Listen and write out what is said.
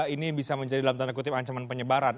ini bisa menjadi dalam tanda kutip ancaman penyebaran